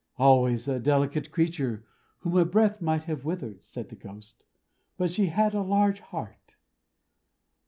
"Always a delicate creature, whom a breath might have withered," said the Ghost. "But she had a large heart!"